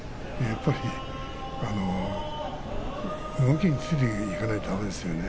やっぱり動きについていかないとだめですよね。